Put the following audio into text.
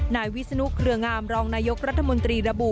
นายวิศนุเครืองามรองนายกรัฐมนตรีระบุ